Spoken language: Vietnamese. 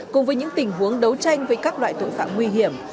cùng với những tình huống đấu tranh với các loại tội phạm nguy hiểm